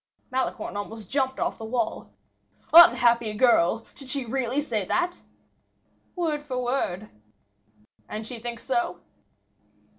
'" Malicorne almost jumped off the wall. "Unhappy girl! did she really say that?" "Word for word." "And she thinks so?"